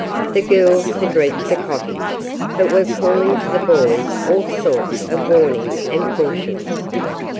The girls had reached the cottage, but were calling to the boys all sorts of warning and cautions.